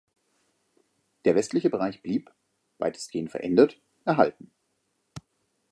Der westliche Bereich blieb, weitestgehend verändert, erhalten.